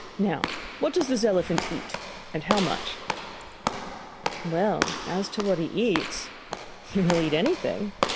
Now, what does this elephant eat, and how much?" "Well, as to what he eats he will eat anything.